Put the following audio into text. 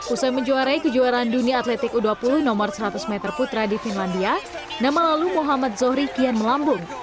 usai menjuarai kejuaraan dunia atletik u dua puluh nomor seratus meter putra di finlandia nama lalu muhammad zohri kian melambung